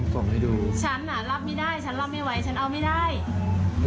ส่งให้ดูฉันอ่ะรับไม่ได้ฉันรับไม่ไหวฉันเอาไม่ได้อืม